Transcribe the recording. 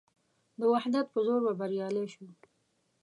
د وحدت په زور به بریالي شو.